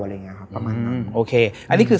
อะไรอย่างนี้ครับประมาณนั้นโอเค